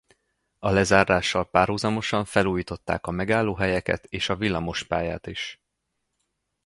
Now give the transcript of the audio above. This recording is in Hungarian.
A lezárással párhuzamosan felújították a megállóhelyeket és a villamospályát is.